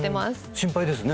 心配ですね